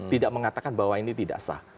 tidak mengatakan bahwa ini tidak sah